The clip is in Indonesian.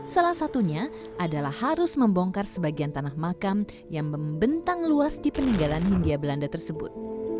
salah satunya adalah harus membongkar sebagian tanah makam yang membentang luas di peninggalan hindia belanda tersebut